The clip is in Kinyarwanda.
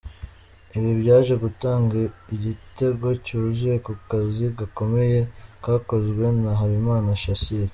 Ibi byaje gutanga igitego cyavuye ku kazi gakomeye kakozwe na Nahimana Shassir.